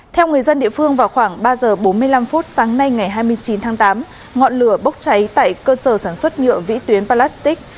theo người dân địa phương vào khoảng ba giờ bốn mươi năm sáng nay ngày hai mươi chín tháng tám ngọn lửa bốc cháy tại cơ sở sản xuất nhựa vĩ tuyến palastic